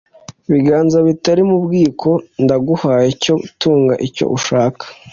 biganza bitari mu bwiko ndaguhaye cyo tunga icyo ushaka.